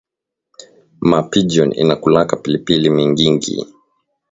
Ma pigeon inakulaka pilipili mingingi